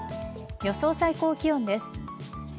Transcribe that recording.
予想最高気温です。